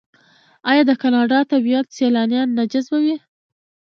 آیا د کاناډا طبیعت سیلانیان نه جذبوي؟